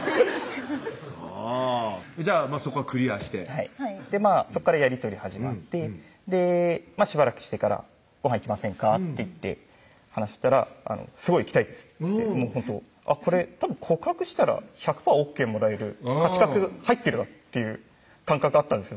そうじゃあそこはクリアしてはいそこからやり取り始まってでしばらくしてから「ごはん行きませんか？」って言って話したら「すごい行きたいです」ってこれたぶん告白したら１００％ＯＫもらえる勝ち確入ってるわっていう感覚あったんです